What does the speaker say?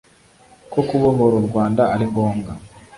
ko kubohora u rwanda ari ngombwa.